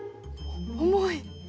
重い！